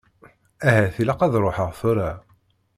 Ahat ilaq ad ṛuḥeɣ tura.